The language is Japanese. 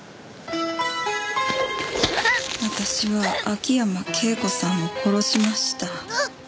私は秋山圭子さんを殺しました。